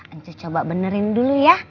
nanti coba benerin dulu ya